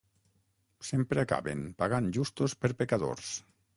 Sempre acaben pagant justos per pecadors.